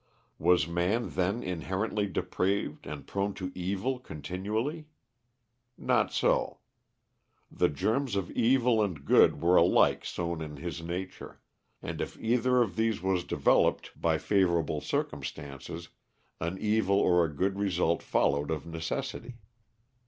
Was man then inherently depraved and prone to evil continually? Not so. The germs of evil and good were alike sown in his nature; and if either of these was developed by favorable circumstances an evil or a good result followed of necessity.